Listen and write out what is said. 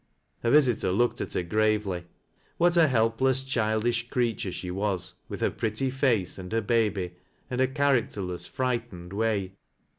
Her visitor looked at her gravely. What a helpless, childish creature she was, with her pretty face, and hci baby, and her characterless, frightened way.